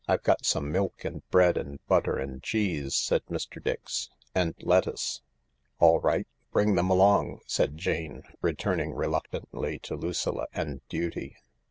" I've got some milk and bread and butter and cheese," said Mr. Dix, " and lettuce." "All right, bring them along," said Jane, returning reluctantly to Lucilla and duty.